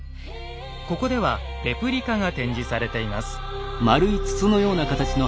ここではレプリカが展示されています。